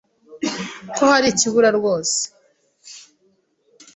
ko hari ikibura rwose.